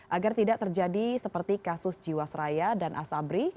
agar tidak terjadi seperti kasus jiwasraya dan asabri